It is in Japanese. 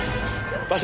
場所？